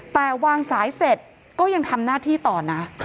แต่วางสายเสร็จก็ยังทำหน้าที่ต่อนะ